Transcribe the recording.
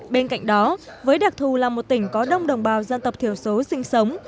bên cạnh đó với đặc thù là một tỉnh có đông đồng bào dân tộc thiểu số sinh sống